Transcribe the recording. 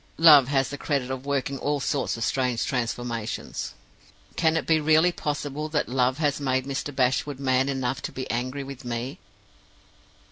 Love has the credit of working all sorts of strange transformations. Can it be really possible that Love has made Mr. Bashwood man enough to be angry with me?